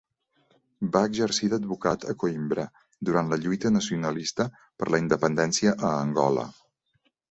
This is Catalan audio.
Va exercir d'advocat a Coïmbra durant la lluita nacionalista per la independència a Angola.